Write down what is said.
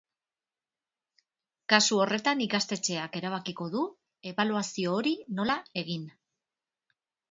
Kasu horretan, ikastetxeak erabakiko du ebaluazio hori nola egin.